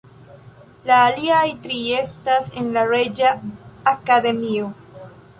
La aliaj tri estas en la Reĝa Akademio.